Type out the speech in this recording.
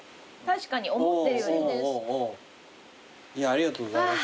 ありがとうございます。